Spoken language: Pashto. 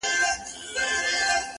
پلار کار ته ځي خو زړه يې نه وي هلته,